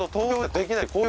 できない？